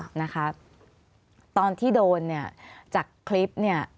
ใช่ค่ะตอนที่โดนจากคลิป